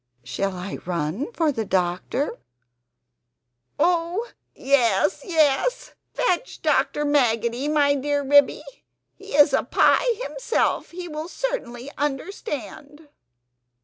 "Shall I run for the doctor?" "Oh yes, yes! fetch Dr. Maggotty, my dear Ribby: he is a Pie himself, he will certainly understand."